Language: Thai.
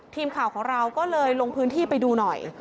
ทีมข่าวของเราก็เลยลงพื้นที่ไปดูหน่อย